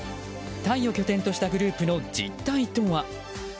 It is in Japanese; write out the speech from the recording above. タイを拠点としたグループの実態とは？